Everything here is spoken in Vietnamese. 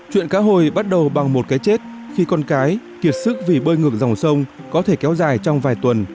chuyện cá hồi bắt đầu bằng một cái chết khi con cái kiệt sức vì bơi ngược dòng sông có thể kéo dài trong vài tuần